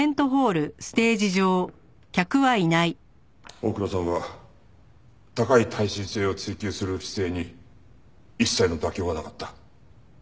大倉さんは高い耐震性を追求する姿勢に一切の妥協がなかった。